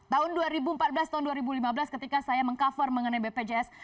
tahun dua ribu empat belas tahun dua ribu lima belas ketika saya meng cover mengenai bpjs